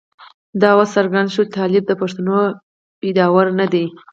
دا اوس څرګنده شوه چې طالب د پښتنو پيداوار نه دی.